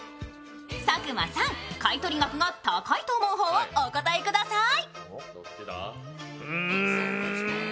佐久間さん、買取額が高いと思う方をお答えください。